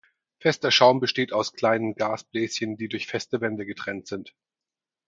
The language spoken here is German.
Fester Schaum besteht aus kleinen Gasbläschen, die durch feste Wände getrennt sind.